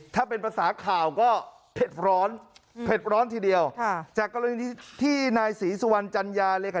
ถ้าเป็นภาษาข่าวก็เผ็ดร้อนเผ็ดร้อนทีเดียวจากกรณีที่นายศรีสุวรรณจัญญาเลยค่ะ